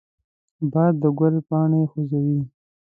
باد د ګل پاڼې خوځوي